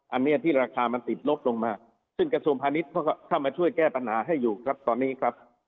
อันนี้ที่ราคามันติดลบลงมาซึ่งกระทรวงพาณิชย์เข้ามาช่วยแก้ปัญหาให้อยู่ครับตอนนี้ครับ